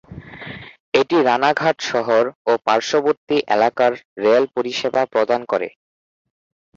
এটি রানাঘাট শহর ও পার্শ্ববর্তী এলাকার রেল-পরিষেবা প্রদান করে।